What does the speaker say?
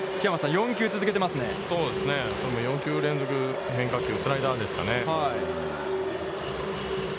４球連続、変化球、スライダーですかね。